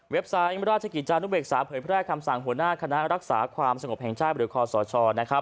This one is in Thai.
เว็บสายอิมราชกิจานุเวกษาเผยพระแรกคำสั่งหัวหน้าคณะรักษาความสงบแห่งชาติหรือคอสช